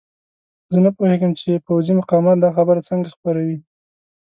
زه نه پوهېږم چې پوځي مقامات دا خبره څنګه خپروي.